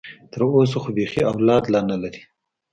تر اوسه خو بيخي اولاد لا نه لري.